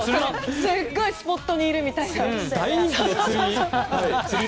すごいスポットにいるみたいな。